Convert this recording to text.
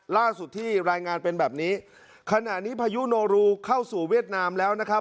ล่าสุดที่รายงานเป็นแบบนี้ขณะนี้พายุโนรูเข้าสู่เวียดนามแล้วนะครับ